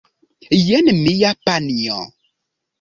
Jen mia panjo!